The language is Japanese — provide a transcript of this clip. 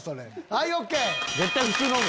はいＯＫ！